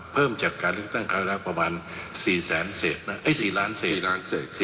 เพิ่มจากการเลือกตั้งคราวราคประมาณ๔ล้านเศษ